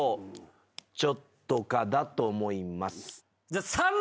ちょっとだと思います。